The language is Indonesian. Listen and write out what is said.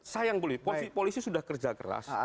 sayang polisi sudah kerja keras